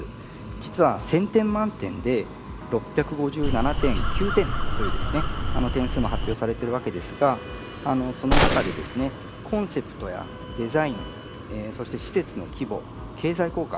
実は、１０００点満点で６５７．９点という点数も発表されているわけですがその中でコンセプトやデザインそして施設の規模経済効果